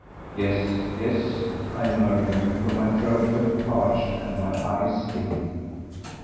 "Yes, yes!" I murmured, for my throat felt parched and my eyes dim.